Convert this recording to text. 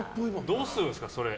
どうするんですか、それ。